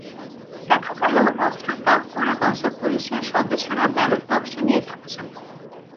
দেখা গেল, অস্ত্র তাক করে বসা পুলিশের সদস্যরা ব্যালট বাক্স নিয়ে যাচ্ছেন।